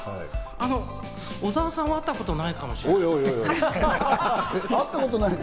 小澤さんは会ったことないかもしれません。